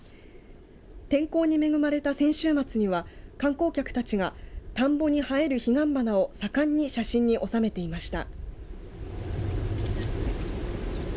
天候に恵まれた先週末には観光客たちが田んぼに映える彼岸花を盛んに写真に収めていました。